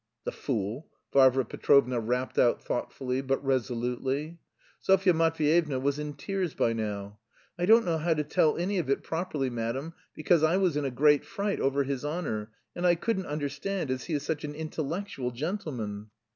"The fool!" Varvara Petrovna rapped out thoughtfully but resolutely. Sofya Matveyevna was in tears by now. "I don't know how to tell any of it properly, madam, because I was in a great fright over his honour; and I couldn't understand, as he is such an intellectual gentleman."